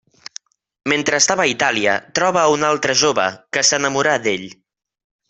Mentre estava a Itàlia troba a una altra jove, que s'enamorà d'ell.